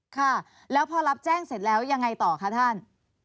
ค่ะแล้วพอรับแจ้งเสร็จแล้วยังไงต่อคะท่าน